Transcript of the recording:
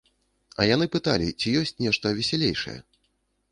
А яны пыталі, ці ёсць нешта весялейшае.